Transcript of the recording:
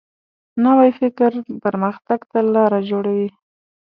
نوی فکر پرمختګ ته لاره جوړوي